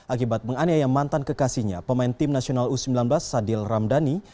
akibat menganiaya mantan kekasihnya pemain tim nasional u sembilan belas sadil ramdhani